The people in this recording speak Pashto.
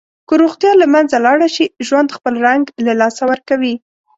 که روغتیا له منځه لاړه شي، ژوند خپل رنګ له لاسه ورکوي.